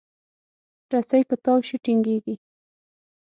رسۍ که تاو شي، ټینګېږي.